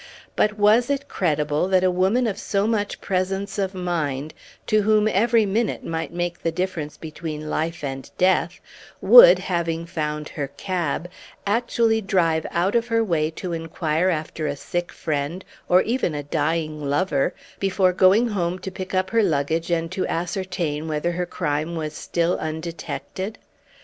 But was it credible that a woman of so much presence of mind, to whom every minute might make the difference between life and death, would, having found her cab, actually drive out of her way to inquire after a sick friend, or even a dying lover, before going home to pick up her luggage and to ascertain whether her crime was still undetected?